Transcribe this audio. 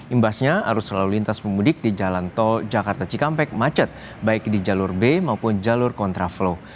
imbasnya arus lalu lintas pemudik di jalan tol jakarta cikampek macet baik di jalur b maupun jalur kontraflow